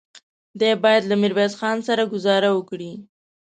دی بايد له ميرويس خان سره ګذاره وکړي.